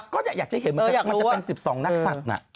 ก็จะอยากจะเห็นว่ามันจะเป็น๑๒นักสัตว์น่ะ